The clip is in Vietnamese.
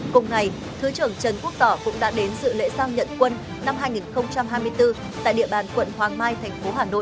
cùng ngày thứ trưởng trần quốc tò cũng đã đến dự lễ sang nhận quân năm hai nghìn hai mươi bốn tại địa bàn quận hoàng mai tp hà nội